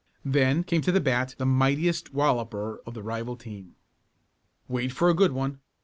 Then came to the bat the mightiest walloper of the rival team. "Wait for a good one.